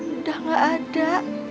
sudah tidak ada